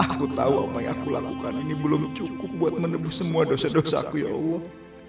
aku tahu apa yang aku lakukan ini belum cukup buat menebus semua dosa dosa aku ya allah